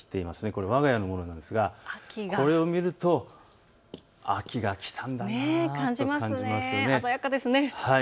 これはわが家のものなんですがこれを見ると秋がきたんだなと感じますね。